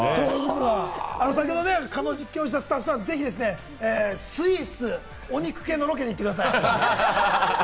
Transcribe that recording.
先ほど蚊の実験をしたスタッフさん、ぜひスイーツ・お肉系のロケに行ってください。